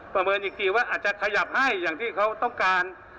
เมินอีกทีว่าอาจจะขยับให้อย่างที่เขาต้องการ